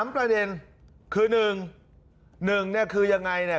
ประเด็นคือ๑๑เนี่ยคือยังไงเนี่ย